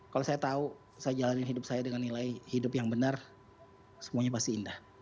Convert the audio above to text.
kalau saya tahu saya jalanin hidup saya dengan nilai hidup yang benar semuanya pasti indah